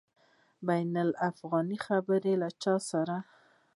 بین الافغاني خبري له چا سره؟